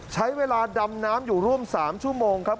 ใช้เวลาดำน้ำอยู่ร่วม๓ชั่วโมงครับ